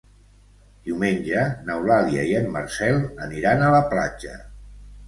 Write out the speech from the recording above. Diumenge n'Eulàlia i en Marcel aniran a la platja.